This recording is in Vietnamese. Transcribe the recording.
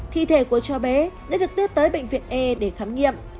thi thể của cháu bé đã được đưa tới bệnh viện e để khám nghiệm